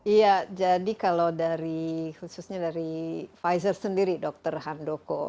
iya jadi kalau dari khususnya dari pfizer sendiri dr handoko